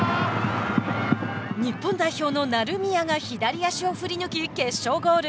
日本代表の成宮が左足を振り抜き決勝ゴール。